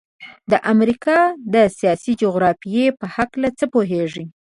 د امریکا د سیاسي جغرافیې په هلکه څه پوهیږئ؟